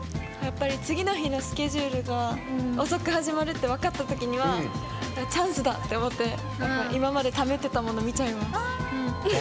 次の日のスケジュールが遅く始まるって分かったときにはチャンスだって思って今までためてたものを見ちゃいます。